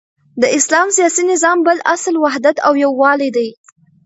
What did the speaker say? د اسلام سیاسی نظام بل اصل وحدت او یوالی دی،